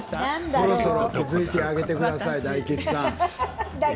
そろそろ気付いてあげてください、大吉さん。